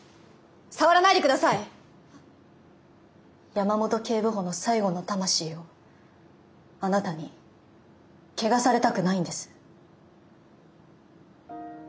山本警部補の最後の魂をあなたに汚されたくないんです。